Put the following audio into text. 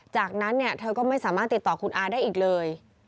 จากนั้นเธอก็ไม่สามารถติดต่อคุณอาได้อีกเลย